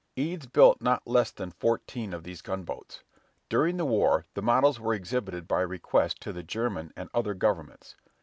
Eads built not less than fourteen of these gunboats. During the war, the models were exhibited by request to the German and other governments.